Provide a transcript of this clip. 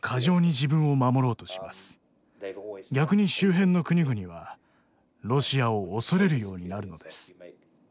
逆に周辺の国々はロシアを恐れるようになるのです。